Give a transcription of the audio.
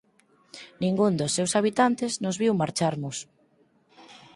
Ningún dos seus habitantes nos viu marcharmos.